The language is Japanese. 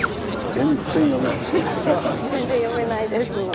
全然読めないです。